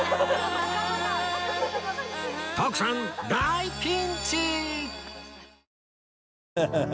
徳さん大ピンチ！